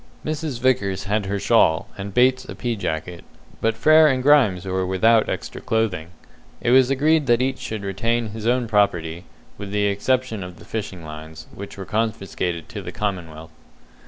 Mrs. Vickers had her shawl, and Bates a pea jacket, but Frere and Grimes were without extra clothing. It was agreed that each should retain his own property, with the exception of the fishing lines, which were confiscated to the commonwealth.